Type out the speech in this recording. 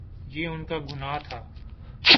یہ ان کا گناہ تھا۔